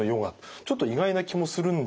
ちょっと意外な気もするんですが。